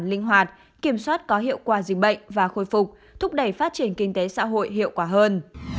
linh hoạt kiểm soát có hiệu quả dịch bệnh và khôi phục thúc đẩy phát triển kinh tế xã hội hiệu quả hơn